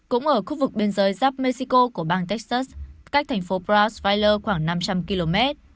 cũng ở khu vực biên giới giáp mexico của bang texas cách thành phố pras file khoảng năm trăm linh km